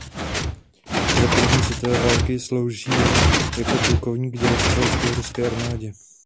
Za první světové války sloužil jako plukovník dělostřelectva v ruské armádě.